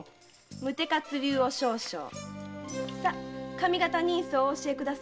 髪型人相をお教えください。